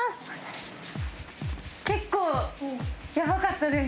結構やばかったです。